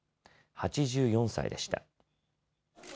８４歳でした。